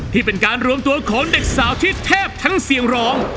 ที่เป็นการรวมตัวของเด็กสาวที่แทบทั้งเสียงร้อง